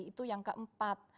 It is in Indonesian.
itu yang keempat